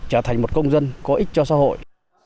trở thành một công dân có ích cho xã hội